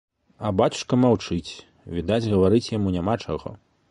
А бацюшка маўчыць, відаць, гаварыць яму няма чаго.